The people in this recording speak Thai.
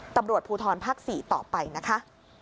ตำรวจภูทรภาค๔ต่อไปนะคะ